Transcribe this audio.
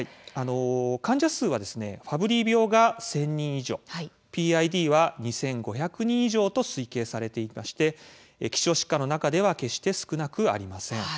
患者数はファブリー病が１０００人以上ＰＩＤは２５００人超と推計されていまして希少疾患の中では決して少なくありません。